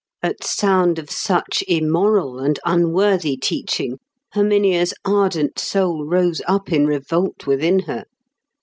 At sound of such immoral and unworthy teaching, Herminia's ardent soul rose up in revolt within her.